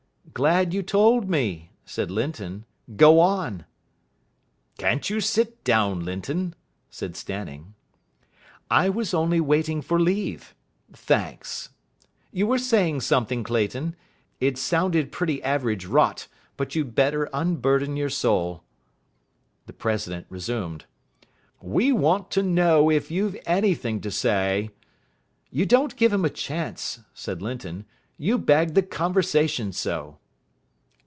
"Glad you told me," said Linton. "Go on." "Can't you sit down, Linton!" said Stanning. "I was only waiting for leave. Thanks. You were saying something, Clayton. It sounded pretty average rot, but you'd better unburden your soul." The president resumed. "We want to know if you've anything to say " "You don't give him a chance," said Linton. "You bag the conversation so."